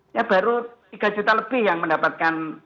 ya baru tiga juta lebih yang mendapatkan